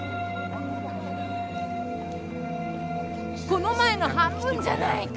この前の半分じゃないか！